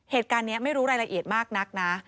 เหตุการณ์นี้ไม่รู้รายละเอียดมากนักนะ